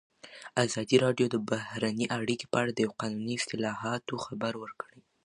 ازادي راډیو د بهرنۍ اړیکې په اړه د قانوني اصلاحاتو خبر ورکړی.